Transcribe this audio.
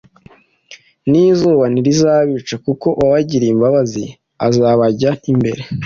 n’izuba ntirizabica; kuko uwabagiriye imbabazi azabajya imbere,